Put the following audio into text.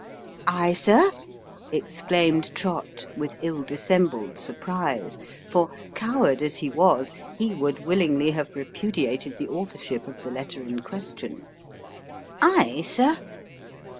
" I, sir ?" exclaimed Trott with ill dissembled surprise ; for, coward as ho was, he would willingly have repudiated the authorship of the letter in question. " I, sir